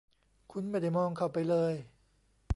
คุณไม่ได้มองเข้าไปเลย